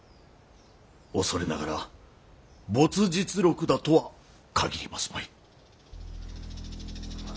恐れながら「没日録」だとは限りますまい。